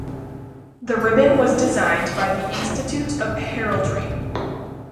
The ribbon was designed by the Institute of Heraldry.